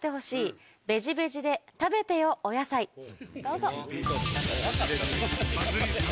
どうぞ。